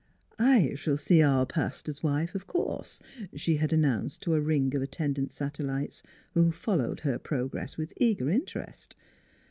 " I shall see our paster's wife, of course," she had announced to a ring of attendant satellites who followed her progress with eager interest.